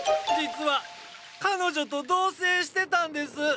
実は彼女と同棲してたんです。